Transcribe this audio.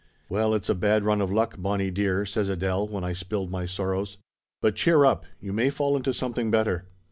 "Well, it's a bad run of luck, Bonnie dear!" says Adele when I had spilled my sorrows. "But cheer up, you may fall into something better.